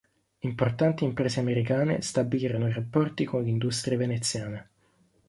Importanti imprese americane stabilirono rapporti con l'industria veneziana.